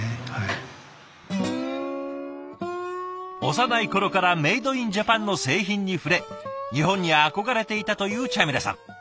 幼い頃からメードインジャパンの製品に触れ日本に憧れていたというチャミラさん。